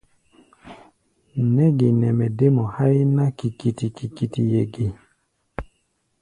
Nɛ́ ge nɛ mɛ dé mɔ háí ná kikiti-kikitiʼɛ ge?